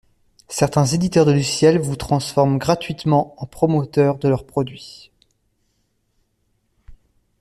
Certains éditeurs de logiciels vous transforment -gratuitement- en promoteurs de leurs produits!